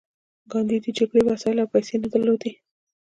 ګاندي د جګړې وسایل او پیسې نه درلودې